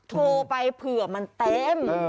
๐๘๙๘๖๑๑๑๕๓โทรไปเผื่อมันเต็ม